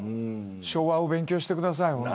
昭和を勉強してください。